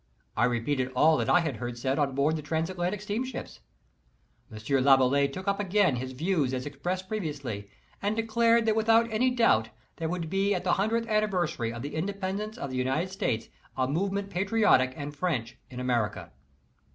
I repeated all that I had heard said on board of the Transatlantic steamships. M. Laboulaye took up again his views as expressed previously, and declared that without any doubt there would be at the hundredth anniversary of the Independence of the United States a movement patriotic and French in America.